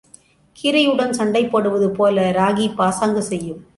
கீரியுடன் சண்டை போடுவதுபோல ராகி பாசாங்கு செய்யும்.